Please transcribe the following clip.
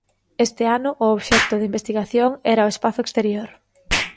Este ano o obxecto de investigación era o espazo exterior.